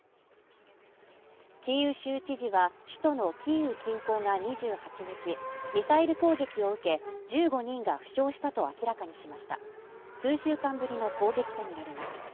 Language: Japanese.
キーウ州知事は首都のキーウ近郊が２８日ミサイル攻撃を受け１５人が負傷したと明らかにしました数週間ぶりの攻撃と見られます